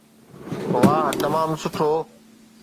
واهه تمام سٺو